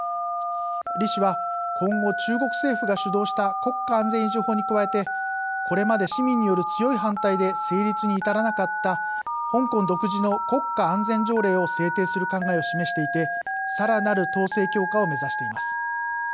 李氏は、今後中国政府が主導した国家安全維持法に加えてこれまで市民による強い反対で成立に至らなかった香港独自の国家安全条例を制定する考えを示していてさらなる統制強化を目指しています。